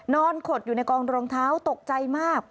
ขดอยู่ในกองรองเท้าตกใจมาก